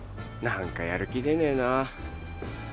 何かやる気出ねえなぁ。